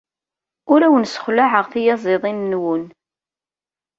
Ur awen-ssexlaɛeɣ tiyaziḍin-nwen.